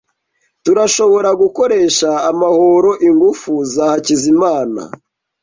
Turashobora gukoresha amahoro ingufu za a Hakizimana e.